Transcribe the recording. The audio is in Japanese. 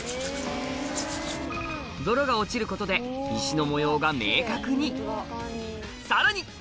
泥が落ちることで石の模様が明確にさらに！